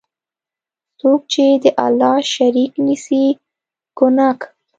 څوک چی د الله شریک نیسي، ګناه کوي.